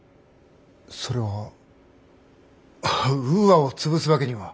それはウーアを潰すわけには。